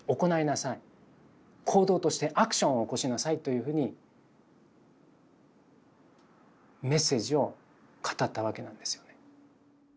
行動としてアクションを起こしなさい」というふうにメッセージを語ったわけなんですよね。